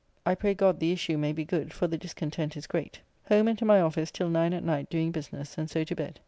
I pray God the issue may be good, for the discontent is great. Home and to my office till 9 at night doing business, and so to bed.